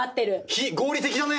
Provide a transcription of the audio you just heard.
非合理的だね。